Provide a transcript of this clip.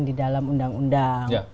di dalam undang undang